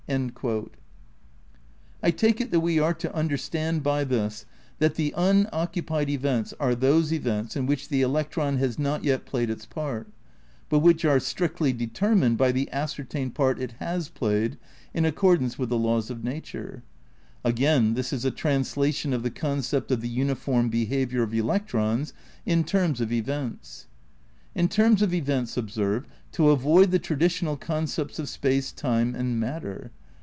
' ^Engwry, p. 95. •The same, p. 96. ' The same, p. 96. Ill THE CRITICAL PREPARATIONS 101 I take it that we are to understand by this that the '' unoccupied events '' are those events in which the elec tron has not yet played its part, but which are strictly determined by the ascertained part it has played, in accordance with the laws of nature. Agaia, this is a translation of the concept of the uniform behaviour of electrons in terms of events. In terms of events, observe, to avoid the traditional concepts of space, time and matter.